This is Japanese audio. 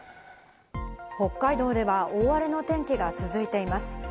北海道では大荒れの天気が続いています。